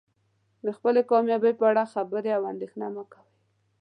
د خپلې کامیابۍ په اړه خبرې او اندیښنه مه کوئ.